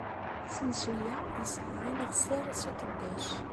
Asensu-a yesɛa aneɣsar s uqeddac.